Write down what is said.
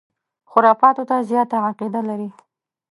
خُرافاتو ته زیاته عقیده لري.